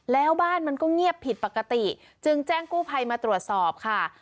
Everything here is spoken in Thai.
แล้วบ้านมันก็เงียบผิดปกติจึงแจ้งกู้ภัยมาตรวจสอบค่ะ